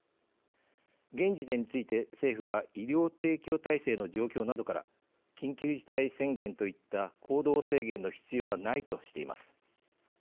現時点について政府は医療提供体制の状況などから緊急事態宣言といった行動制限の必要はないとしています。